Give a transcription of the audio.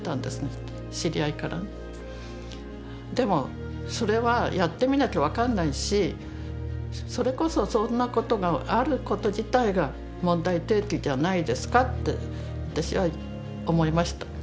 でもそれはやってみなきゃ分かんないしそれこそそんなことがあること自体が問題提起じゃないですかって私は思いました。